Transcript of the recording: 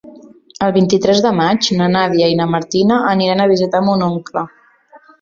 El vint-i-tres de maig na Nàdia i na Martina aniran a visitar mon oncle.